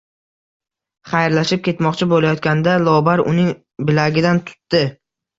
Xayrlashib ketmoqchi bo`layotganda Lobar uning bilagidan tutdi